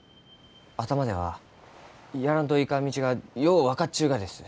頭ではやらんといかん道がよう分かっちゅうがです。